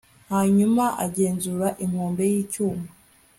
hanyuma agenzura inkombe y'icyuma